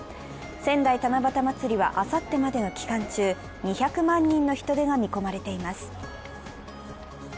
仙台七夕まつりはあさってまでの期間中、２００万人の人出が見込まれています